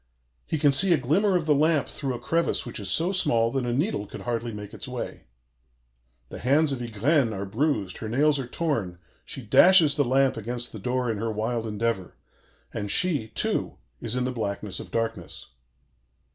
He can see a glimmer of the lamp through a crevice which is so small that a needle could hardly make its way. The hands of Ygraine are bruised, her nails are torn, she dashes the lamp against the door in her wild endeavor, and she, too, is in the blackness of darkness.